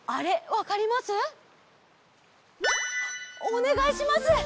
おねがいします。